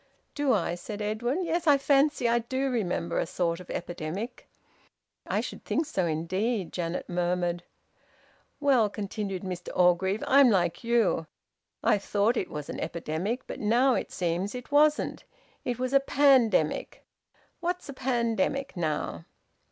"Do I?" said Edwin. "Yes, I fancy I do remember a sort of epidemic." "I should think so indeed!" Janet murmured. "Well," continued Mr Orgreave, "I'm like you. I thought it was an epidemic. But it seems it wasn't. It was a pandemic. What's a pandemic, now?"